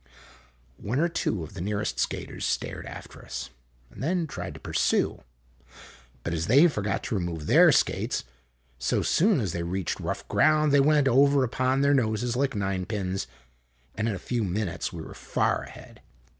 One or two of the nearest skaters stared after us, and then THE TONGALOO TOURNAMENT 27 tried to pursue; but as they forgot to remove their skates, so soon as they reached rough ground they went over upon their noses, like ninepins, and in a few minutes we were far ahead.